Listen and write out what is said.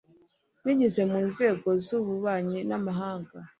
binyuze mu nzego z ububanyi n amahanga